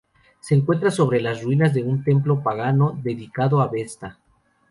Se encuentra sobre las ruinas de un templo pagano dedicado a Vesta.